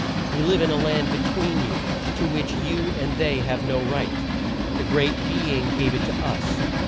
We live in a land be tween you, to which you and they have no right. The Great Be ing gave it to us.